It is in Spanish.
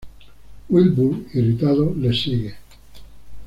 Wilbur, irritado, les sigue.